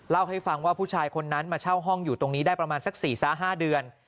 เล่าให้ฟังว่าผู้ชายคนนั้นมาเช่าห้องอยู่ตรงนี้ได้ประมาณสัก๔๕เดือน